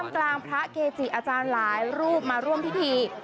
กลางพระเกจิอาจารย์หลายรูปมาร่วมพิธี